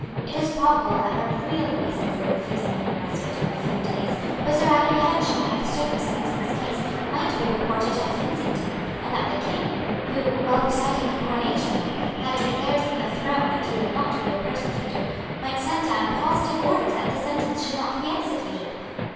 It is probable that their real reason for refusing him a respite of a few days was their apprehension that the circumstances of his case might be reported at Kensington, and that the King, who, while reciting the Coronation Oath, had declared from the throne that he would not be a persecutor, might send down positive orders that the sentence should not be executed.